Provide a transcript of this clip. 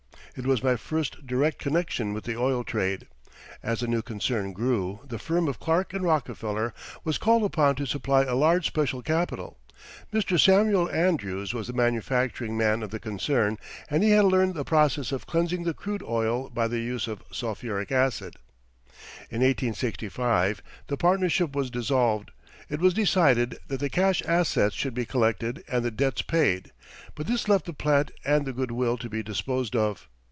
It was my first direct connection with the oil trade. As the new concern grew the firm of Clark & Rockefeller was called upon to supply a large special capital. Mr. Samuel Andrews was the manufacturing man of the concern, and he had learned the process of cleansing the crude oil by the use of sulphuric acid. In 1865 the partnership was dissolved; it was decided that the cash assets should be collected and the debts paid, but this left the plant and the good will to be disposed of.